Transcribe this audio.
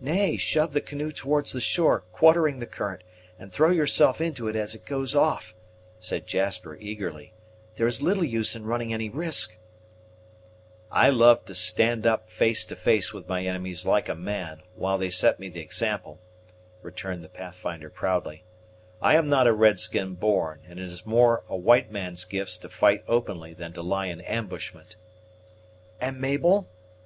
"Nay, shove the canoe towards the shore, quartering the current, and throw yourself into it as it goes off," said Jasper eagerly. "There is little use in running any risk." "I love to stand up face to face with my enemies like a man, while they set me the example," returned the Pathfinder proudly. "I am not a red skin born, and it is more a white man's gifts to fight openly than to lie in ambushment." "And Mabel?"